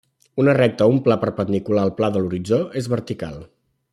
Una recta o pla perpendicular al pla de l'horitzó és vertical.